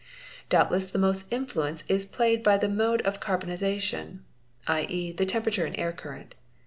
Doubtless the most influence is played by the mode 0 | carbonisation, 7.¢e., the temperature and air current.